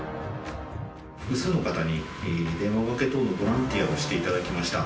複数の方に電話かけ等のボランティアをしていただきました。